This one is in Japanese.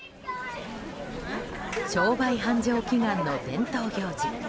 商売繁盛祈願の伝統行事